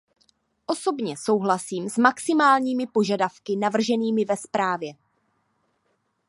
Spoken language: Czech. Osobně souhlasím s maximálními požadavky navrženými ve zprávě.